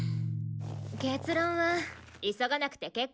結論は急がなくて結構よ。